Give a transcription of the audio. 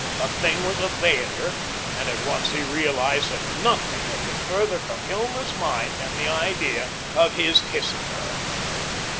The thing was a failure, and at once he realised that nothing had been further from Hilma's mind than the idea of his kissing her.